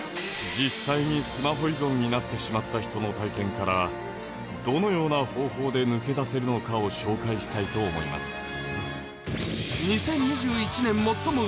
実際にスマホ依存になってしまった人の体験からどのような方法で抜け出せるのかを紹介したいと思います。